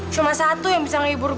cuma satu yang bisa ngibur gue